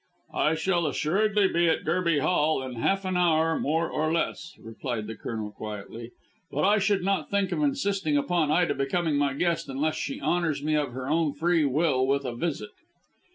"I shall assuredly be at Gerby Hall in half an hour, more or less," replied the Colonel quietly. "But I should not think of insisting upon Ida becoming my guest unless she honours me of her own free will with a visit."